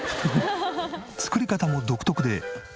作り方も独特で。